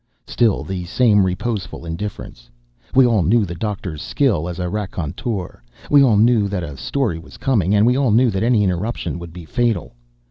Still the same reposeful indifference. We all knew the Doctor's skill as a raconteur; we all knew that a story was coming, and we all knew that any interruption would be fatal.